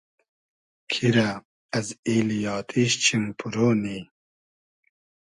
کی رۂ از ایلی آتیش چیم پورۉ نی